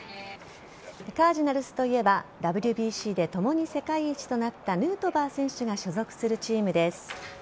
カージナルスといえばＷＢＣで共に世界一となったヌートバー選手が所属するチームです。